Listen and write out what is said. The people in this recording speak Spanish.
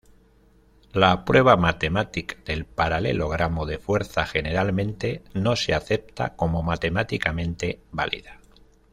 La prueba matemática del paralelogramo de fuerza generalmente no se acepta como matemáticamente válida.